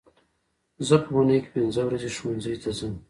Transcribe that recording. زه په اونۍ کې پینځه ورځې ښوونځي ته ځم